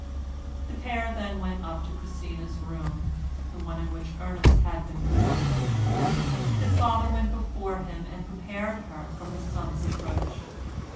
The pair then went upstairs to Christina's room, the one in which Ernest had been born. His father went before him and prepared her for her son's approach.